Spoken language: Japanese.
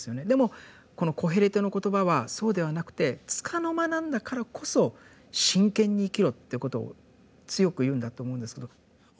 でもこの「コヘレトの言葉」はそうではなくて束の間なんだからこそ真剣に生きろっていうことを強く言うんだと思うんですけど。